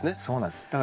そうなんです。